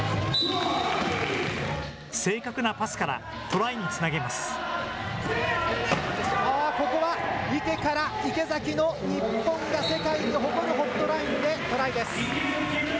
正確なパスから、ここは、池から池崎の日本が世界に誇るホットラインでトライです。